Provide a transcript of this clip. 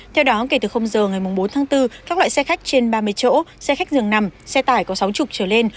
theo đó kể từ giờ ngày bốn tháng bốn các loại xe khách trên ba mươi chỗ xe khách dường nằm xe tải có sáu mươi trở lên